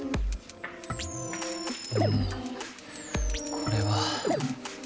これは。